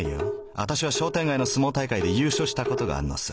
アタシは商店街の相撲大会で優勝したことがあんのさ。